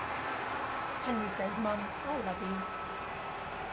Henry says, Mom, I love you.